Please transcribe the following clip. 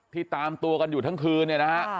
ตามตัวกันอยู่ทั้งคืนเนี่ยนะฮะ